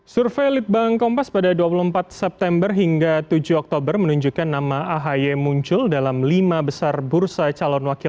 survei litbang kompas pada dua puluh empat september hingga tujuh oktober menunjukkan nama ahy muncul dalam lima besar bursa calon wakil